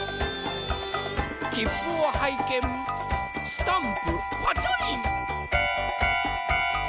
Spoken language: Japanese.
きっぷをはいけんスタンプパチョリン。